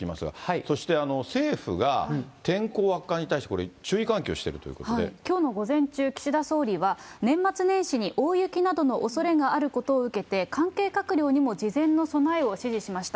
そして政府が天候悪化に対して、これ、注意喚起をしてるというこきょうの午前中、岸田総理は、年末年始に大雪などのおそれがあることを受けて、関係閣僚にも事前の備えを指示しました。